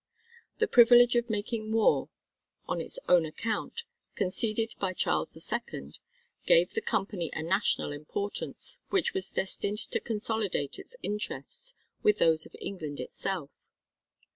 The privilege of making war on its own account, conceded by Charles II, gave the Company a national importance which was destined to consolidate its interests with those of England itself.